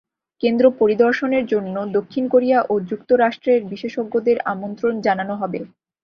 কেন্দ্র পরিদর্শনের জন্য দক্ষিণ কোরিয়া ও যুক্তরাষ্ট্রের বিশেষজ্ঞদের আমন্ত্রণ জানানো হবে।